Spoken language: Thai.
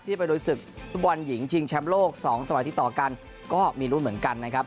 ไปลุยศึกฟุตบอลหญิงชิงแชมป์โลกสองสมัยที่ต่อกันก็มีลุ้นเหมือนกันนะครับ